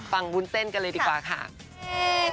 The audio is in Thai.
ฟังวุ้นเจนกันเลยดีกว่าค่ะค่ะโอเค